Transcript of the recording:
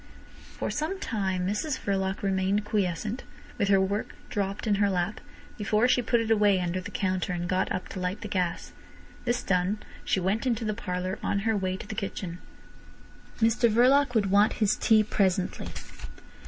For some time Mrs Verloc remained quiescent, with her work dropped in her lap, before she put it away under the counter and got up to light the gas. This done, she went into the parlour on her way to the kitchen. Mr Verloc would want his tea presently.